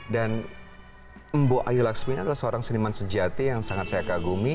dan mbok ayu laksmi adalah seorang seniman sejati yang sangat saya kagumi